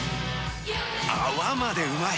泡までうまい！